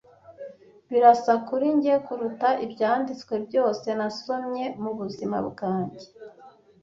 Birasa kuri njye kuruta ibyanditswe byose nasomye mubuzima bwanjye.